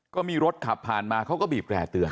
ก็มีรถขับผ่านมาเขาก็บีบแร่เตือน